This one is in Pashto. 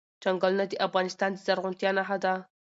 چنګلونه د افغانستان د زرغونتیا نښه ده.